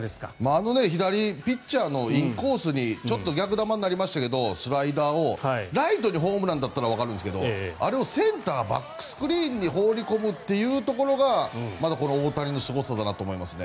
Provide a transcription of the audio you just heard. あの左ピッチャーのインコースにちょっと逆球になりましたけどスライダーをライトにホームランだったらわかるんですけどあれをセンター、バックスクリーンに放り込むというところがまた、この大谷のすごさだなと思いますね。